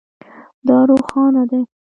دا روښانه دی